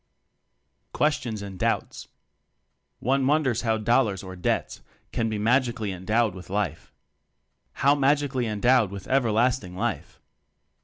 Questions and Doubts. One wonders how "dollars" or "debts" can be magically endowed with life? How magically endowed with "ever lasting life?"